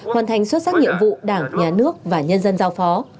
hoàn thành xuất sắc nhiệm vụ đảng nhà nước và nhân dân giao phó